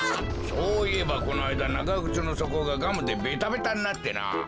そういえばこのあいだながぐつのそこがガムでベタベタになってなあ。